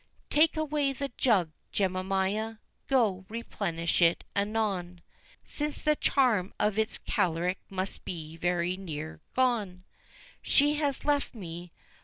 Take away the jug, Jemima, go, replenish it anon; Since the charm of its caloric must be very nearly gone. She has left me.